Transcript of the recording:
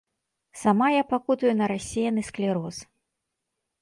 Сама я пакутую на рассеяны склероз.